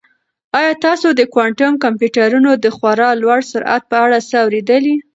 آیا تاسو د کوانټم کمپیوټرونو د خورا لوړ سرعت په اړه څه اورېدلي؟